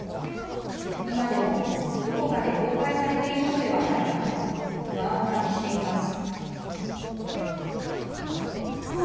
今でもどこかで公開されているのではないかと、不安を感じています。